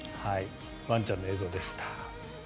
ワンちゃんの映像でした。